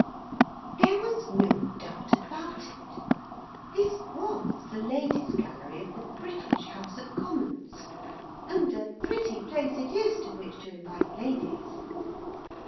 There was no doubt about it. This was the Ladies' Gallery of the British House of Commons, and a pretty place it is to which to invite ladies.